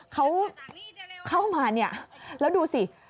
เขาเข้ามาเนี่ยแล้วดูสิ